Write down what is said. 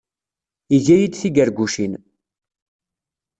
Iga-iyi-d tigargucin.